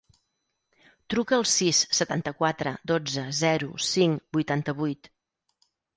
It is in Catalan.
Truca al sis, setanta-quatre, dotze, zero, cinc, vuitanta-vuit.